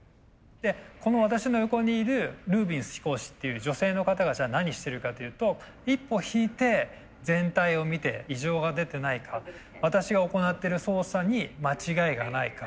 でこの私の横にいるルービンス飛行士っていう女性の方がじゃあ何してるかというと一歩引いて全体を見て異常が出てないか私が行ってる操作に間違いがないか。